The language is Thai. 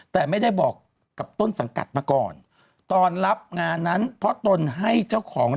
แต่ไม่ได้บอกกับต้นสังกัดมาก่อน